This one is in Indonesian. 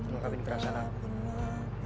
mengucapkan perasaan aku